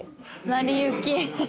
なりゆき